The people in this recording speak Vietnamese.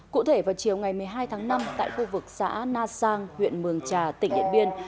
cụ thể vào chiều ngày một mươi hai tháng năm tại khu vực xã na sang huyện mường trà tỉnh điện biên